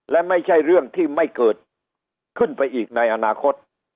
และไม่ใช่เรื่องที่ไม่เกิดขึ้นไปอีกในอนาคต